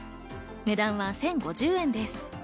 値段は１０５０円です。